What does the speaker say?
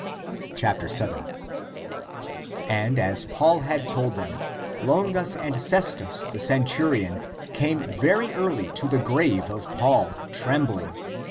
7. And as Paul had told them, Longus and Ces tus the centurion, came very early to the grave of Paul, trembling.